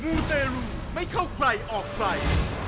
มูเตรูไม่เข้าใครออกใคร